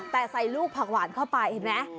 แต่ใส่ลูกผักหวานเข้าไปเห็นไหม